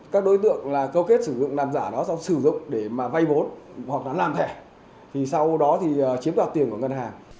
các đối tượng là câu kết sử dụng làm giả đó sau sử dụng để mà vay vốn hoặc là làm thẻ thì sau đó thì chiếm đoạt tiền của ngân hàng